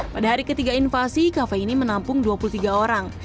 pada hari ketiga invasi kafe ini menampung dua puluh tiga orang